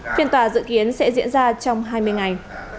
phiên tòa dự kiến sẽ diễn ra trong hai mươi ngày